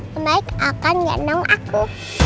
tembaik akan genong aku